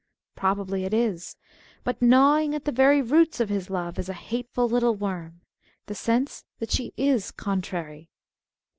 Probably it is. But gnawing at the very roots of his love is a hatefial little worm — the sense that she is contrary.